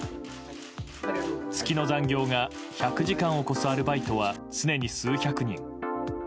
月の残業が１００時間を超すアルバイトは常に数百人。